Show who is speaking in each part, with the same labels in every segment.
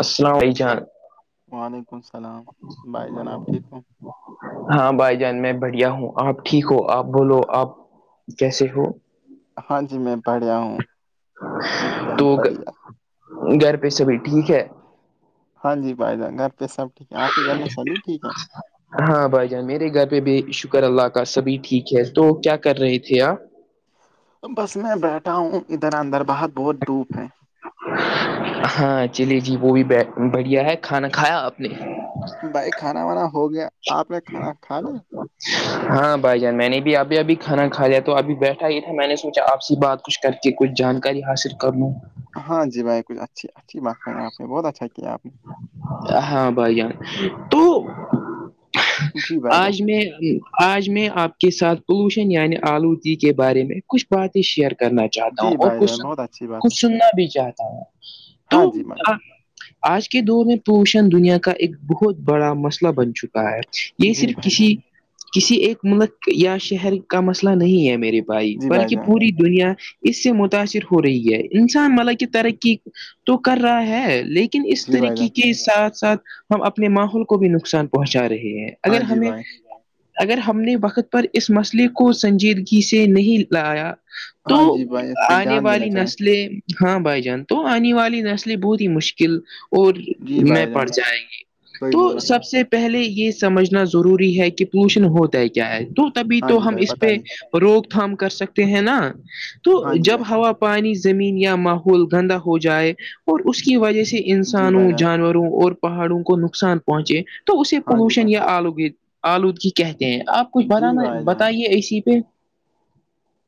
Speaker 1: السلام ع جان [unintelligible]
Speaker 2: وعلیکم السلام بھائی جناب ٹھیک ہوں
Speaker 1: ہاں بھائی جان میں بڑھیا ہوں آپ ٹھیک ہو آپ بولو آپ جیسے ہو
Speaker 2: ہاں جی میں پڑھیا ہوں ایک دم
Speaker 1: تو
Speaker 2: بڑھیا
Speaker 1: گھر پہ سبھی ٹھیک ہے
Speaker 2: ہاں جی بھائی جان گھر پہ سب ٹھیک ہے آپ کے گھر میں سبھی ٹھیک ہے
Speaker 1: ہاں بھائی جان میرے گھر پہ بھی شکر اللہ کا سبھی ٹھیک ہے تو کیا کر رہے تھے آپ
Speaker 2: بس میں بیٹھا ہوں ادھر اندر بہت بہت دھوپ ہے
Speaker 1: ہاں چلیے جی وہ بھی بڑھیا ہے کھانا کھایا آپ نے
Speaker 2: بھائی کھانا وانا ہو گیا آپ نے کھانا کھا لیا [unintelligible]
Speaker 1: ہاں بھائی جان میں نے بھی ابھی ابھی کھانا کایا تو ابھی بیٹھا ہی تھا میں نے سوچا آپ س بات کچھ کر کے کچھ جانکاری حاصل کر لوں [unintelligible]
Speaker 2: ہاں جی بھائی کچھ اچھی اچھی بات کہیں آپ نے بہت اچھا کیا آپ نے
Speaker 1: ہاں بھائی جان تو
Speaker 2: جی بھائی جان
Speaker 1: آج میں آج میں آپ کے ساتھ پولوشن یعنی آلودگی کے بارے میں کچھ باتیں شیئر کرنا [unintelligible] چاہتا ہوں
Speaker 2: جی
Speaker 1: اور
Speaker 2: بھائی
Speaker 1: کچھ
Speaker 2: جان
Speaker 1: س
Speaker 2: بہت اچھی بات ہے
Speaker 1: کچھ سننا بھی چاہتا ہوں تو
Speaker 2: ہاں جی
Speaker 1: آ
Speaker 2: بھائی
Speaker 1: آج کے دور میں پوشن دنیا کا ایک بہت بڑا مسئلہ [unintelligible] بن چکا ہے یہ
Speaker 2: جی
Speaker 1: صرف
Speaker 2: بھائی جان
Speaker 1: کسی [unintelligible] کسی ایک ملک یا شہر کا مسئلہ نہیں ہے میرے پائی
Speaker 2: جی بھائی
Speaker 1: بلکہ
Speaker 2: جان
Speaker 1: پوری دنیا اس سے متاثر ہو رہی ہے انسان مالک ترقی [unintelligible] تو کر رہا ہے لیکن ن اس
Speaker 2: جی بھائی
Speaker 1: طریقے
Speaker 2: جان
Speaker 1: کے ساتھ ساتھ ہم اپنے ماحول کو بھی نقصان پہنچا رہے ہیں [unintelligible]
Speaker 2: ہاں
Speaker 1: اگر
Speaker 2: جی
Speaker 1: ہمیں
Speaker 2: بھائی
Speaker 1: [unintelligible] اگر ہم نے وقت پر اس مسئلے کو سنجیدگی سے نہیں لایا تو
Speaker 2: ہاں جی بھائی اس پہ
Speaker 1: آنے
Speaker 2: دھیان دینا
Speaker 1: والی
Speaker 2: چاہیے
Speaker 1: نسلیں ہاں بھائی جان تو آنے والی نسلیں بہت ہی مشکل اور
Speaker 2: جی
Speaker 1: میں
Speaker 2: بھائی
Speaker 1: پڑ
Speaker 2: جان
Speaker 1: جائیں گی
Speaker 2: صحیح
Speaker 1: تو
Speaker 2: بولا
Speaker 1: سب سے پہلے یہ سمجھنا ضروری ہے کہ پولوشن ہوتا ہے کیا ہے تو تبھی
Speaker 2: ہاں
Speaker 1: تو
Speaker 2: جی
Speaker 1: ہم
Speaker 2: بھائی
Speaker 1: اس پہ
Speaker 2: بتائیے
Speaker 1: روک تھام کر سکتے ہیں نا تو
Speaker 2: ہاں جی
Speaker 1: جب
Speaker 2: بھائی
Speaker 1: ہوا پانی زمین یا ماحول گندا ہو جائے اور اس کی وجہ سے
Speaker 2: جی بھائی
Speaker 1: انسانوں
Speaker 2: جان
Speaker 1: جانوروں اور پہاڑوں کو نقصان پہنچے تو اسے
Speaker 2: ہاں جی
Speaker 1: پولوشن
Speaker 2: بھائی
Speaker 1: یا آلودگی آلودگی کہتے ہیں آپ کچھ
Speaker 2: جی
Speaker 1: بتانا
Speaker 2: بھائی جان
Speaker 1: بتائیے اسی پہ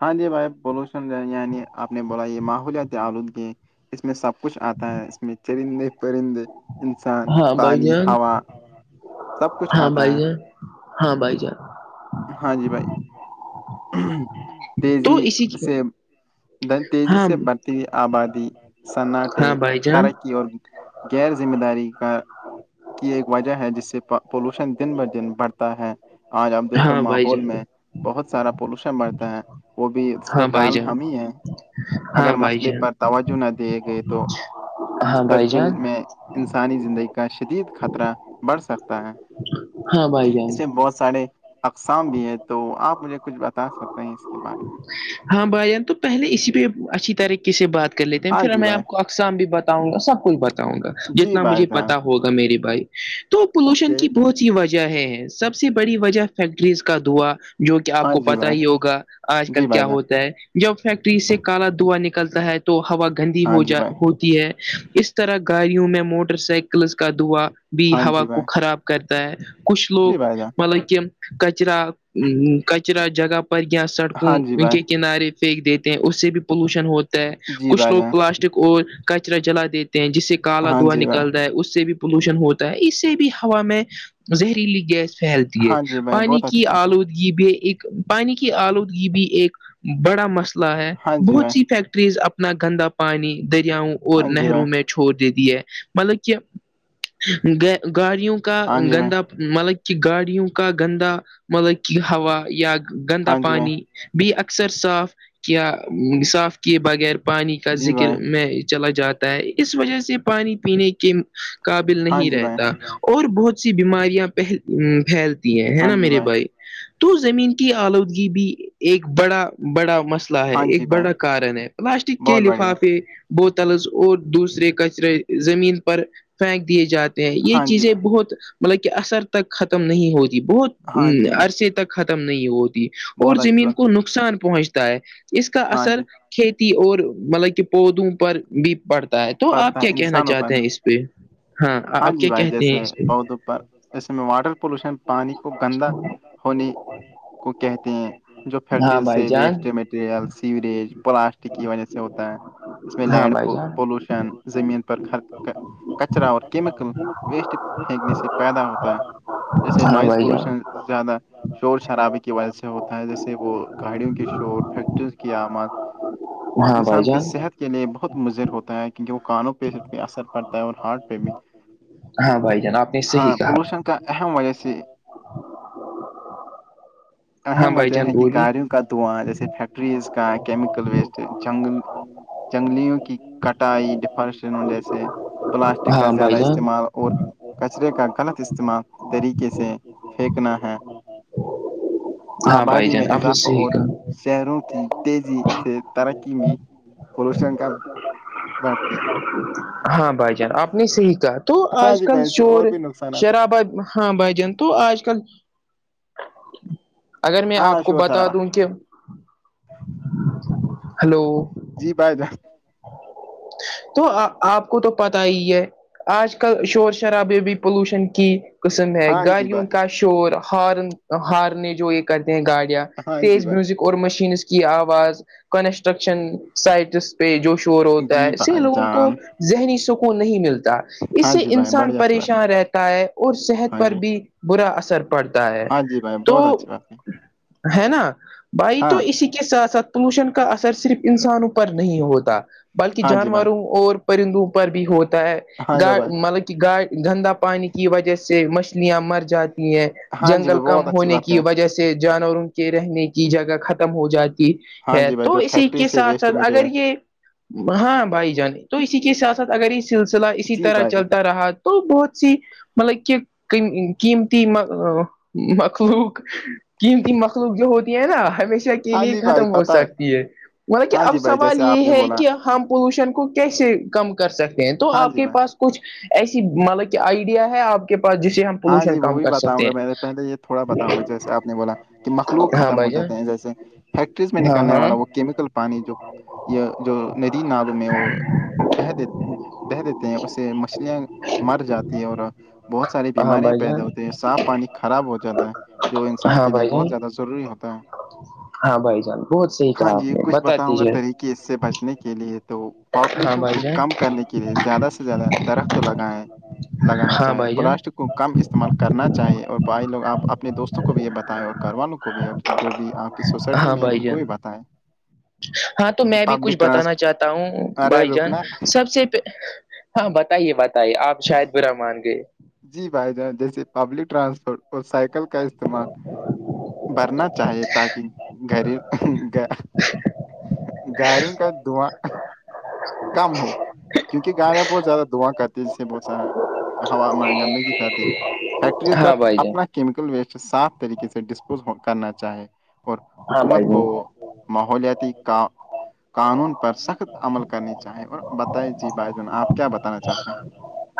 Speaker 2: ہاں جی بھائی پولوشن یعنی آپ نے بولا یہ ماحولیاتی آلودگی اس میں سب کچھ آتا ہے اس میں چرندے پرندے انسان
Speaker 1: ہاں بھائی
Speaker 2: پانی
Speaker 1: جان
Speaker 2: ہوا سب کچھ
Speaker 1: ہاں
Speaker 2: آتا
Speaker 1: بھائی
Speaker 2: ہے
Speaker 1: جان ہاں بھائی جان
Speaker 2: ہاں جی بھائی
Speaker 1: تو
Speaker 2: تیزی
Speaker 1: اسی کی
Speaker 2: سے در تیزی
Speaker 1: ہاں
Speaker 2: سے بڑھتی ہوئی آبادی سناٹے
Speaker 1: ہاں بھائی جان
Speaker 2: ترقی اور غیرذمہ داری کا کی ایک وجہ ہے جس سے پولوشن دن ب دن بڑھتا ہے آج اب دیکھے
Speaker 1: ہاں بھائی
Speaker 2: ماحول
Speaker 1: جان
Speaker 2: میں بہت سارا پولوشن بڑھتا ہے وہ بھی اس کا
Speaker 1: ہاں بھائی
Speaker 2: کارن
Speaker 1: جان
Speaker 2: ہم ہی ہے
Speaker 1: ہاں
Speaker 2: اگر
Speaker 1: بھائی
Speaker 2: مسئلے
Speaker 1: جان
Speaker 2: پر توجہ نہ دیے گئے تو
Speaker 1: ہاں بھائی
Speaker 2: مستقبل
Speaker 1: جان
Speaker 2: میں انسانی زندگی کا شدید خطرہ بڑھ سکتا ہے
Speaker 1: ہاں بھائی جان
Speaker 2: اس میں بہت سارے اقسام بھی ہے تو آپ مجھے کچھ بتا سکتے ہیں اس کے بارے میں
Speaker 1: ہاں بھائی جان تو پہلے اسی پہ اچھی طریقے سے بات کر لیتے ہیں
Speaker 2: ہاں
Speaker 1: پھر
Speaker 2: جی
Speaker 1: میں
Speaker 2: بھائی
Speaker 1: آپ کو اقسام بھی بتاؤں گا سب کچھ بتاؤں گا
Speaker 2: جی
Speaker 1: جتنا
Speaker 2: بھائی
Speaker 1: مجھے
Speaker 2: جان
Speaker 1: پتا ہو ہوگا میری بھائی تو پولوشن
Speaker 2: اوکے
Speaker 1: کی بہت ی وجہ ہے سب سے بڑی وجہ فیکٹریز کا دھواں جو کہ آپ
Speaker 2: ہاں
Speaker 1: کو
Speaker 2: جی
Speaker 1: پتا
Speaker 2: بھائی
Speaker 1: ہی ہوگا آج کل
Speaker 2: جی
Speaker 1: کیا
Speaker 2: بھائی جان
Speaker 1: ہے جب فیکٹری سے کالا دھوا نکلتا ہے تو ہوا گندی
Speaker 2: ہاں
Speaker 1: ہو
Speaker 2: جی
Speaker 1: جا
Speaker 2: بھائی
Speaker 1: ہو ہے اس طرح گاڑیوں میں موٹر سائیکلس کا دعا بھی
Speaker 2: ہاں
Speaker 1: ہوا
Speaker 2: جی بھائی
Speaker 1: کو خراب کرتا ہے کچھ لوگ
Speaker 2: جی بھائی جان
Speaker 1: مطلب کہ کچرا کچرا جگہ پر کیا
Speaker 2: ہاں
Speaker 1: سڑکوں
Speaker 2: جی
Speaker 1: ان
Speaker 2: بھائی
Speaker 1: کے کنارے پھینک دیتے ہیں اس سے بھی پولوشن ہوتا ہے
Speaker 2: جی
Speaker 1: کچھ
Speaker 2: بھائی
Speaker 1: لوگ
Speaker 2: جان
Speaker 1: پلاسٹک اور کچرا جلا دیتے ہیں جس سے کالا
Speaker 2: ہاں
Speaker 1: دھواں
Speaker 2: جی بھائی
Speaker 1: نکل رہا ہے اس سے بھی پولوشن ہوتا ہے اس سے بھی ہوا میں زہریلی گیس پھیلتی ہے
Speaker 2: ہاں جی بھائی
Speaker 1: پانی
Speaker 2: بہت
Speaker 1: کی
Speaker 2: اچھی بات ہے
Speaker 1: آلودی یہ بھی ایک پانی کی آلودگی بھی ایک بڑا مسئلہ ہے
Speaker 2: ہاں جی
Speaker 1: بہت
Speaker 2: بھائی
Speaker 1: سی فیکٹریز اپنا گندا پانی دریاؤں اور
Speaker 2: ہاں جی بھائی
Speaker 1: نہروں میں چھوڑ دیتی ہے مطلب کہ گاڑیوں کا
Speaker 2: ہاں جی بھائی
Speaker 1: گندا مطلب کی گاڑیوں کا گندا مطلب کی ہوا یا گندا
Speaker 2: ہاں جی بھائی
Speaker 1: پانی بھی اکثر صاف کیا صاف کیے بغیر پانی کا
Speaker 2: جی بھائی
Speaker 1: ذکر میں چلا جاتا ہے اس وجہ سے پانی پینے کے قابل
Speaker 2: ہاں
Speaker 1: نہیں
Speaker 2: جی بھائی
Speaker 1: رہتا اور بہت سی بیماریاں پہل پھیل ہیں ہے
Speaker 2: ہاں
Speaker 1: نا
Speaker 2: جی
Speaker 1: میرے بھائی تو زمین کی آلودگی بھی ایک بڑا بڑا مسئلہ ہے
Speaker 2: ہاں جی
Speaker 1: ایک
Speaker 2: بھائی
Speaker 1: بڑا کارن ہے پلاسٹک کے
Speaker 2: بہت بڑھیا
Speaker 1: لفافے بوتلز اور دوسرے کچرے زمین پر پھینک دیے جاتے یہ
Speaker 2: ہاں جی
Speaker 1: چیزیں
Speaker 2: بھائی
Speaker 1: بہت مطلب کہ اثر تک ختم نہیں ہوتی بہت
Speaker 2: ہاں جی
Speaker 1: ا
Speaker 2: بھائی
Speaker 1: عرصے تک ختم نہیں ہوتی اور
Speaker 2: بہت اچھی
Speaker 1: زمین
Speaker 2: بات ہے
Speaker 1: کو نقصان پہنچتا ہے اس کا
Speaker 2: ہاں
Speaker 1: اثر
Speaker 2: جی
Speaker 1: کھیتی اور مطلب کہ پودوں پر بھی پڑتا ہے تو آپ
Speaker 2: پڑتا ہے
Speaker 1: کیا کہنا
Speaker 2: انسانوں پر
Speaker 1: چاہتے
Speaker 2: بھی
Speaker 1: ہیں اس پہ
Speaker 2: ہاں
Speaker 1: آپ
Speaker 2: جی
Speaker 1: کیا
Speaker 2: بھائی
Speaker 1: کہتے ہیں
Speaker 2: جیسے
Speaker 1: اس پہ
Speaker 2: پودوں پر جسے میں واٹر پولوشن پانی کو گندا ہونے کو کہتے ہیں جو
Speaker 1: ہاں
Speaker 2: فیکٹری
Speaker 1: بھائی
Speaker 2: سے
Speaker 1: جان
Speaker 2: ویسٹ مٹیریل سیوریج پلاسٹک کی وجہ سے ہوتا ہے اس میں
Speaker 1: ہاں
Speaker 2: لینڈ
Speaker 1: بھائی جان
Speaker 2: پولوشن زمین پر کچرا کیمیکل ویسٹ پھینکنے سے پیدا ہوتا ہے جیسے
Speaker 1: ہاں
Speaker 2: نوائز
Speaker 1: بھائی جان
Speaker 2: پولوشن زیادہ شور شرابے کی وجہ سے ہوتا جیسے وہ گاڑیوں کے شور فیکٹریوں کی آماد
Speaker 1: ہاں بھائی
Speaker 2: انسان کے
Speaker 1: جان
Speaker 2: صحت کے لیے بہت مضر ہوتا ہے کیونکہ وہ کانوں پہ اثر پڑتا ہے اور ہارٹ
Speaker 1: ہاں بھائی جان آپ نے صحیح
Speaker 2: ہاں
Speaker 1: کہا
Speaker 2: پولوشن کا احم وجیسی
Speaker 1: ہاں
Speaker 2: اہم
Speaker 1: بھائی
Speaker 2: وجہ
Speaker 1: جان
Speaker 2: ہے کہ
Speaker 1: بولی
Speaker 2: گاڑیوں کا دعا جیسے فیکٹریز کا کیمیکل ویسٹ جنگل جنگلوں کی کٹائی ڈیفارسن جیسے پلاسٹک کا
Speaker 1: ہاں
Speaker 2: زیادہ
Speaker 1: بھائی جان
Speaker 2: استعمال اور کچرے کا غلط استعمال طریقے سے پھینکنا ہے
Speaker 1: ہاں بھائی
Speaker 2: آبادی میں
Speaker 1: جان آپ نے
Speaker 2: اضافہ
Speaker 1: صحیح
Speaker 2: اور
Speaker 1: کہا
Speaker 2: شہروں کی تیزی سے ترقی میں پولوشن کا بڑھتی ہے
Speaker 1: ہاں بھائی جان آپ نے صحیح کہا تو
Speaker 2: ہاں
Speaker 1: آج
Speaker 2: جی
Speaker 1: کل
Speaker 2: بھائی اس سے
Speaker 1: شور
Speaker 2: اور بھی نقصانات ہے
Speaker 1: شرابہ ہاں بھائی جان تو آج کل اگر میں آپ
Speaker 2: ہاں
Speaker 1: کو
Speaker 2: شور
Speaker 1: بتا
Speaker 2: سارا
Speaker 1: دوں کہ ہلو
Speaker 2: جی بائی
Speaker 1: تو آپ کو تو پتا ہی ہے آج کل شور شرابے بھی پولوشن کی قسم ہے
Speaker 2: ہاں جی
Speaker 1: گاڑیوں
Speaker 2: بھائی
Speaker 1: کا شور ہارن ہارنے جو یہ کرتے ہیں گاڑیاں
Speaker 2: ہاں جی
Speaker 1: تیز
Speaker 2: بھائی
Speaker 1: میوزک اور مشینس کی آواز کنسٹرکشن سائٹس پہ جوش چور ہوتا
Speaker 2: جی
Speaker 1: ہےسے
Speaker 2: بھائی
Speaker 1: لوگوں کو
Speaker 2: جان
Speaker 1: ذہنی سکون نہیں ملتا اس
Speaker 2: ہاں
Speaker 1: سے
Speaker 2: جی بھائی
Speaker 1: انسان
Speaker 2: بڑی اچھی بات ہے
Speaker 1: پریشان رہتا ہے اور صحت
Speaker 2: ہاں
Speaker 1: پر
Speaker 2: جی
Speaker 1: بھی برا اثر پڑتا ہے
Speaker 2: ہاں جی بھائی
Speaker 1: تو
Speaker 2: بہت اچھی بات ہے
Speaker 1: ہے نا بھائی تو
Speaker 2: ہاں
Speaker 1: اسی کے ساتھ ساتھ پولوشن کا اثر صرف انسانوںپر نہیں ہوتا بلکہ
Speaker 2: ہاں جی بھائی
Speaker 1: جانوروں اور پرندوں پر بھی ہوتا ہے
Speaker 2: ہاں جی
Speaker 1: گا
Speaker 2: بھائی
Speaker 1: مطلب کہ گا گندا پانی کی وجہ سے مچھلیاں مر جاتی ہیں
Speaker 2: ہاں جی
Speaker 1: جنگل
Speaker 2: بھائی
Speaker 1: کم
Speaker 2: بہت اچھی
Speaker 1: ہونے
Speaker 2: بات
Speaker 1: کی
Speaker 2: کہیں
Speaker 1: وجہ سے جانوروں کے رہنے کی جگہ ختم ہو جاتی
Speaker 2: ہاں
Speaker 1: ہے
Speaker 2: جی بھائی
Speaker 1: تو
Speaker 2: جو
Speaker 1: اسی
Speaker 2: فیکٹری
Speaker 1: کے
Speaker 2: سے
Speaker 1: ساتھ
Speaker 2: ویسٹ
Speaker 1: ساتھ اگر
Speaker 2: مٹیریل
Speaker 1: یہ ہاں بھائی جانے تو اسی کے ساتھ ساتھ اگر یہ سلسلہ اسی
Speaker 2: جی
Speaker 1: طرح
Speaker 2: بھائی جان
Speaker 1: چلتا رہا تو بہت سی مطلب کہ قیمتی مخلوق قیمتی مخلوق جو ہوتی ہے نا ہمیشہ کے
Speaker 2: ہاں
Speaker 1: لیے
Speaker 2: جی بھائی
Speaker 1: ختم ہو
Speaker 2: پتہ
Speaker 1: سکتی ہے مطل کہ
Speaker 2: ہاں
Speaker 1: اب
Speaker 2: جی بھائی
Speaker 1: سب
Speaker 2: جیسے آپ
Speaker 1: یہ
Speaker 2: نے
Speaker 1: ہے
Speaker 2: بولا
Speaker 1: کہ ہم پولوشن کو کیسے کم کر سکتے ہیں تو
Speaker 2: ہاں
Speaker 1: آپ
Speaker 2: جی
Speaker 1: کے
Speaker 2: بھائی
Speaker 1: پاس کچھ ایسی مطلب کہ آئیڈیا ہے آپ کے پاس جسے ہم
Speaker 2: ہاں جی
Speaker 1: پولوشن
Speaker 2: وہ
Speaker 1: کم
Speaker 2: بھی
Speaker 1: کر
Speaker 2: بتاؤں
Speaker 1: سکتے
Speaker 2: گا
Speaker 1: ہیں
Speaker 2: میں نے پہلے یہ تھوڑا بتاؤں گا جیسے آپ نے بولا کہ مخلوق
Speaker 1: ہاں
Speaker 2: ختم ہو
Speaker 1: بھائی جان
Speaker 2: جاتے ہیں جیسے فیکٹریز میں
Speaker 1: ہاں
Speaker 2: نکلنے
Speaker 1: ہاں
Speaker 2: والا وہ کیمیکل پانی جو یہ جو ندی نلوم ہے وہ بہہ دی بہہ دیتے ہیں اس سے مچھلیاں مر جاتی ہے اور بہت ساری
Speaker 1: ہاں
Speaker 2: بیماریاں
Speaker 1: بھائی
Speaker 2: پیدا
Speaker 1: جان
Speaker 2: ہوتی ہیں صاف پانی خراب ہو جاتا ہے جو انسان
Speaker 1: ہاں
Speaker 2: کے لیے
Speaker 1: بھائی جان
Speaker 2: بہت زیادہ ضروری ہوتا ہے
Speaker 1: ہاں بھائی جان بہت صحی
Speaker 2: ہاں
Speaker 1: کہا آپ
Speaker 2: جی
Speaker 1: نے
Speaker 2: کچھ
Speaker 1: بتا
Speaker 2: بتاؤں گا
Speaker 1: دیجھے
Speaker 2: طریقے اس سے بچنے کے لیے تو
Speaker 1: ہاں
Speaker 2: پاپولیشن
Speaker 1: بھائی
Speaker 2: کو
Speaker 1: جان
Speaker 2: کم کرنے کے لیے زیادہ سے زیادہ درخت لگائیں لگانا
Speaker 1: ہاں
Speaker 2: چاہے
Speaker 1: بھائی جان
Speaker 2: پلاسٹک کو استعمال کرنا چاہیے اور بھائی لوگ آپ اپنے دوستوں کو بھی یہ بتائیں اور گھر والوں کو بھی اور جو بھی آپ کہ سوسائٹی
Speaker 1: ہاں
Speaker 2: میں
Speaker 1: بھائی
Speaker 2: ان کو
Speaker 1: جان
Speaker 2: بھی بتائیں
Speaker 1: ہاں تو میں بھی کچھ
Speaker 2: پبلک
Speaker 1: بتانا
Speaker 2: ٹرانسپ
Speaker 1: چاہتا ہوں
Speaker 2: ارے
Speaker 1: بھائی جان
Speaker 2: رکنا
Speaker 1: سب سے ہاں بتائیے بتائیے آپ شاید برا مان گئے
Speaker 2: جی بھائی جان جیسے پبلک ٹرانسپورٹ اور سائیکل کا استعمال بھرنا چاہیے تاکہ گری گاریوں کاس دواں
Speaker 1: [inaudible]
Speaker 2: کیونکہ گایا بہت زیادہ دعا کرتی ہیں جس سے بہت سارا ہوا گندگی فائدے فیکٹریز کا
Speaker 1: ہاں بھائی جان
Speaker 2: اپنا کیا کیمیکل ویسٹ صاف طریقے سے ڈسپوز کرنا چاہے اور
Speaker 1: ہاں بھائی
Speaker 2: حکومت کو
Speaker 1: جی
Speaker 2: ماحولیاتی قانون پر سخت عمل کرنی چاہیں اور بتائییں جی بھائی جن آپ کیا بتانا چاہتے ہیں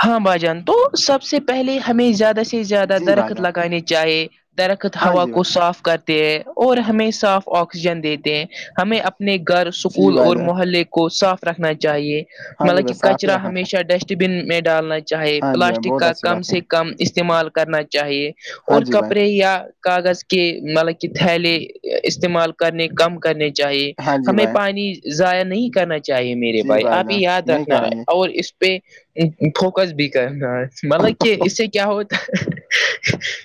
Speaker 1: ہاں بھائی جان تو سب سے پہلے ہمیں زیادہ سے زیادہ
Speaker 2: جی بھائی
Speaker 1: درخت
Speaker 2: جان
Speaker 1: لگانے چاہیے درخت
Speaker 2: ہاں
Speaker 1: ہوا
Speaker 2: جی
Speaker 1: کو
Speaker 2: بھائی
Speaker 1: صاف کرتے ہیں اور ہمیں صاف آکسیجن دیتے ہیں ہمیں اپنے گھر
Speaker 2: جی
Speaker 1: اسکول
Speaker 2: بھائی
Speaker 1: اور
Speaker 2: جان
Speaker 1: محلے کو صاف رکھنا چاہیے
Speaker 2: ہاں جی
Speaker 1: مطلب
Speaker 2: بھائی
Speaker 1: کہ
Speaker 2: صاف ہی
Speaker 1: کچرا
Speaker 2: رکھنا چاہیے
Speaker 1: ہمیشہ ڈسٹ بن میں ڈالنا ہے چاہے
Speaker 2: ہاں جی بھائی
Speaker 1: پلاسٹک
Speaker 2: بہت
Speaker 1: کا
Speaker 2: اچھی
Speaker 1: کم
Speaker 2: بات کہیں
Speaker 1: سے کم استعمال کرنا چاہیے
Speaker 2: ہاں
Speaker 1: اور
Speaker 2: جی بھائی
Speaker 1: کپڑے یا کاغذ کے مطلب کہ تھیلے استعمال کرنے کم کرنے چاہیے
Speaker 2: ہاں جی
Speaker 1: ہمیں
Speaker 2: بھائی
Speaker 1: پانی ضائع نہیں کرنا چاہیے چاہیے میرے
Speaker 2: جی
Speaker 1: بھائی آپ یہ
Speaker 2: جان
Speaker 1: یاد
Speaker 2: نہیں
Speaker 1: رکھنا
Speaker 2: کریں گے
Speaker 1: اور اس پہ فوکس بھی مطلب کہ اسے کیا ہوتا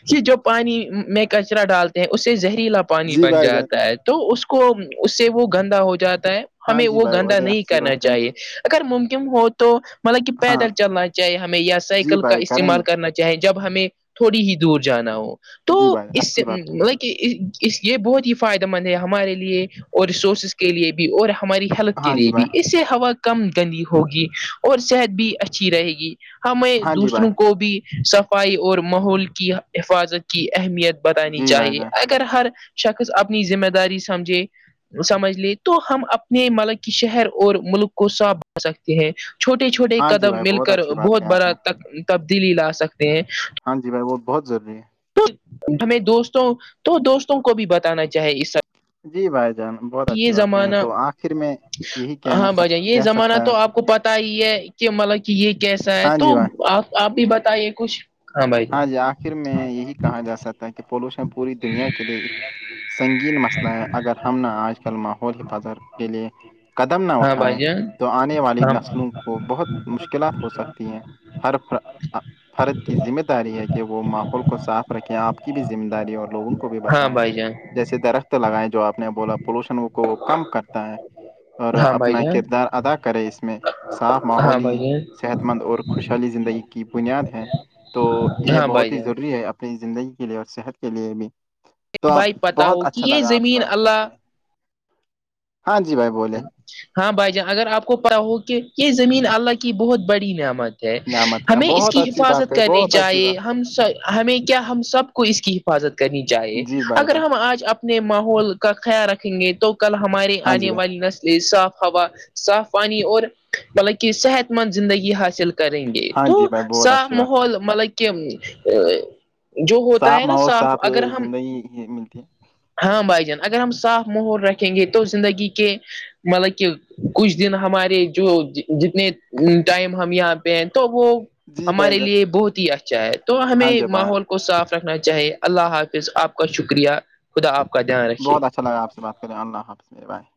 Speaker 1: کہ جو پانی میں کچرا ڈالتے ہیں اس سے زہریلا پا پانی
Speaker 2: جی
Speaker 1: بن
Speaker 2: بھائی جان
Speaker 1: جاتا ہے تو اس کو اس سے وہ گندا ہو جاتا ہے
Speaker 2: ہاں
Speaker 1: ہمیں
Speaker 2: جی
Speaker 1: وہ
Speaker 2: بھائی
Speaker 1: گندا
Speaker 2: بہتے
Speaker 1: نہیں
Speaker 2: اچھی
Speaker 1: کرنا
Speaker 2: بات کہیں
Speaker 1: چاہیے اگر ممکن ہو تو مطلب کہ
Speaker 2: ہاں
Speaker 1: پیدل چلنا چاہے ہمیں یا
Speaker 2: جی
Speaker 1: سائیکل کا
Speaker 2: بھائی کریں گے
Speaker 1: استعمال کرنا چاہیے چاہیں جب ہمیں تھوڑی ہی دور جانا ہو تو
Speaker 2: جی بھائی
Speaker 1: اس سے
Speaker 2: اچھی بات ہے
Speaker 1: ل یہ بہت ہی فائدہ مند ہے ہمارے لیے اور ریسورسز کے لیے بھی اور ہماری ہیلپ کے
Speaker 2: ہاں جی
Speaker 1: لیے
Speaker 2: بھائی
Speaker 1: بھی اس سے ہوا کم گندی ہوگی اور صحت بھی اچھی رہے گی ہمیں
Speaker 2: ہاں جی بھائی
Speaker 1: دوسروں کو بھی صفائی اور ماحول کی حفاظت کی اہمیت بتانی
Speaker 2: جی بھائی جان
Speaker 1: چاہیے ہر شخص اپنی ذمہ داری سمجھے سمجھ لے تو ہم اپنے ملب شہر اور ملک کو صاف بنا سکتے ہیں چھوٹے چھوٹے
Speaker 2: ہاں جی
Speaker 1: قدم
Speaker 2: بھائی
Speaker 1: مل
Speaker 2: بہت
Speaker 1: کر
Speaker 2: اچھی بات
Speaker 1: بہت
Speaker 2: کہیں آپ
Speaker 1: بڑا
Speaker 2: نے
Speaker 1: تبدیلی لا سکتے ہیں
Speaker 2: ہاں جی بھائی بہت ضوری ہے
Speaker 1: تو ہمیں دوستوں تو دوستوں کو بھی بتانا چاہے اس سب
Speaker 2: جی بھائی جان بہت اچھی بات کہیں ہیں تو آخر میں یہی کہنا کہہ سکتا ہے
Speaker 1: بت ہی ہے کہ مطلب کہ یہ کیسا ہے
Speaker 2: ہاں
Speaker 1: تو
Speaker 2: جی بھائی
Speaker 1: آپ آپ بھی بتائیے کچھ بھائی
Speaker 2: ہاں
Speaker 1: جان
Speaker 2: جی آخر میں یہی کہا جا سکتا ہے کہ پولوشن پوری دنیا کے لیے ایک سنگین مسئلہ ہے اگر ہم نے آج کل ماحول حفاظت کے لیے قدم نہ
Speaker 1: ہاں
Speaker 2: اٹھائیں
Speaker 1: بھائی جان
Speaker 2: تو آنے والی نسلوں کو بہت مشکلات ہو سکتی ہیں ہر فرد کی ذمہ داری ہے کہ وہ ماحول کو صاف رکھیں آپ کی بھی ذمہ داری اور لوگوں کو بھی
Speaker 1: ہاں
Speaker 2: بتائیں
Speaker 1: بھائی جان
Speaker 2: جیسے درخت لگائائے جو آپ نے بولا پولوشن کو وہ کم کرتا ہے اور
Speaker 1: ہاں بھائی
Speaker 2: اپنا
Speaker 1: جان
Speaker 2: کردار ادا کرے اس میں صاف ماحول
Speaker 1: ہاں
Speaker 2: ہی
Speaker 1: بھائی جان
Speaker 2: صحت مند اور خوشحالی زندگی کی بنیاد ہیں تو یہ
Speaker 1: ہاں بھائی
Speaker 2: بہت ہی
Speaker 1: جان
Speaker 2: ضروری ہے اپنی زندگی کے لیے اور صحت کے لیے بھی تو آپ
Speaker 1: بھائی پتا
Speaker 2: بہت
Speaker 1: ہو کہ
Speaker 2: اچھا
Speaker 1: یہ
Speaker 2: لگا آپ سے
Speaker 1: زمین
Speaker 2: بات
Speaker 1: اللہ
Speaker 2: کرتے ہو ہاں جی بھائی بولے
Speaker 1: ہاں بھائی جان اگر آپ کو پت ہو کہ یہ زمین اللہ کی بہت بڑی نعمت
Speaker 2: نعمت ہے
Speaker 1: ہمیں اس
Speaker 2: بہت
Speaker 1: کی
Speaker 2: اچھی بات
Speaker 1: حفاظت
Speaker 2: کہی
Speaker 1: کرنی
Speaker 2: بہت اچھی
Speaker 1: چاہیے
Speaker 2: بات
Speaker 1: ہم ہمیں کیا ہم سب کو اس کی حفاظت کرنی چاہیے
Speaker 2: جی بھائی
Speaker 1: اگر
Speaker 2: جان
Speaker 1: ہم آج اپنے ماحول کا خیال رکھیں گے تو کل ہمارے
Speaker 2: ہاں جی
Speaker 1: آنے
Speaker 2: بھائی
Speaker 1: والی نسلی صاف ہوا صاف پانی اور بلکہ صحت مند زندگی حاصل کر کریں گے
Speaker 2: ہاں
Speaker 1: تو
Speaker 2: جی بھائی بہت
Speaker 1: سا
Speaker 2: اچھی بات ہے
Speaker 1: ماحول مطلب کہ جو ہوتا ہے نا
Speaker 2: ماحول
Speaker 1: صاف اگر ہم
Speaker 2: زندگی ہی ملتی ہے
Speaker 1: ہاں بھائی جان اگر ہم صاف ماحول رکھیں گے تو زندگی کے مطلب کہ کچھ دن ہمارے جو جتنے ٹائم ہم یہاں تو وہ
Speaker 2: جی بھائی
Speaker 1: ہمارے
Speaker 2: جان
Speaker 1: لیے بہت ہی اچھا ہے تو
Speaker 2: ہاں
Speaker 1: ہمیں
Speaker 2: جی
Speaker 1: ماحول
Speaker 2: بھائی
Speaker 1: کو صاف رکھنا چاہیے اللہ حافظ آپ کا شکریہ خدا آپ کا دھیان
Speaker 2: بہت اچھا
Speaker 1: رکھیے
Speaker 2: لگا آپ سے بات اللہ حافظ بھائی